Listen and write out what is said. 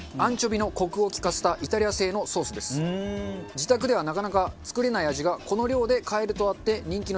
自宅ではなかなか作れない味がこの量で買えるとあって人気の商品。